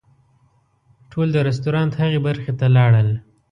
ټول د رسټورانټ هغې برخې ته لاړل.